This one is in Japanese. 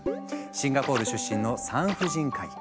シンガポール出身の産婦人科医。